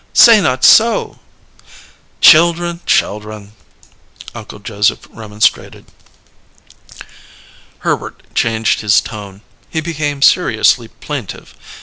Say not so!" "Children, children!" Uncle Joseph remonstrated. Herbert changed his tone; he became seriously plaintive.